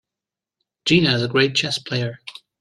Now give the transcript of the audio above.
Gina is a great chess player.